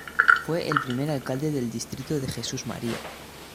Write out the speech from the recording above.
Fue el primer alcalde del Distrito de Jesús María.